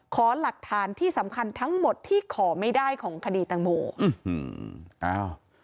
ขอหลักฐานที่สำคัญทั้งหมดที่ขอไม่ได้ของคดีตังโมอืมอ้าว